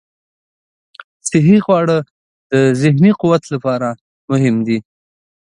صحي خواړه د ذهني قوت لپاره مهم دي.